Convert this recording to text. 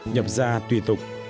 nhập gia tùy tục